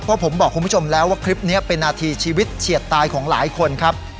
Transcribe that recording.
เพราะผมบอกคุณผู้ชมแล้วว่าคลิปนี้เป็นนาทีชีวิตเฉียดตายของหลายคนครับ